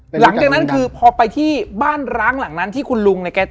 หลังจากนั้นคือพอไปที่บ้านร้างหลังนั้นที่คุณลุงเนี่ยแก